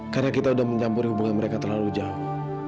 karena kita udah mencampuri hubungan mereka terlalu jauh